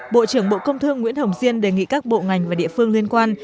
bộ trưởng bộ công thương nguyễn hồng diên đề nghị các bộ ngành và địa phương liên quan